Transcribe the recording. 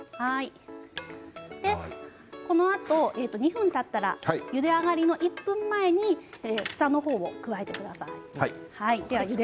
このあと、２分たったらゆであがりの１分前に房の方を加えてください。